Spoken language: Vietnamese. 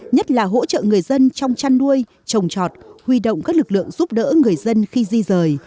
nhất là hỗ trợ người dân trong chăn nuôi trồng trọt huy động các lực lượng giúp đỡ người dân khi di rời